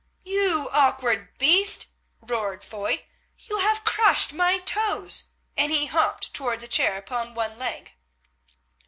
"You awkward beast!" roared Foy, "you have crushed my toes," and he hopped towards a chair upon one leg.